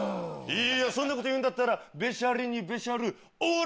いやそんなこと言うんだったらベシャリにベシャる。